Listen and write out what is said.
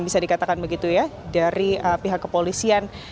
bisa dikatakan begitu ya dari pihak kepolisian